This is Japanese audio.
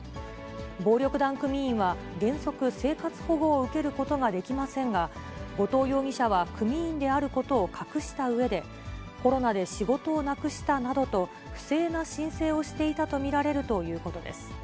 暴力団組員は原則、生活保護を受けることができませんが、後藤容疑者は組員であることを隠したうえで、コロナで仕事をなくしたなどと不正な申請をしていたと見られるということです。